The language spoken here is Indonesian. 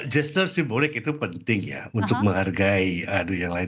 gestur simbolik itu penting ya untuk menghargai adu yang lain